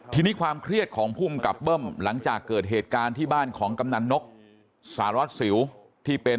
ทีนี้ความเครียดของภูมิกับเบิ้มหลังจากเกิดเหตุการณ์ที่บ้านของกำนันนกสารวัตรสิวที่เป็น